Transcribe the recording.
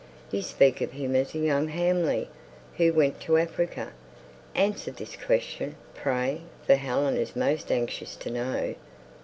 You speak of him as a young Hamley, who went to Africa. Answer this question, pray, for Helen is most anxious to know."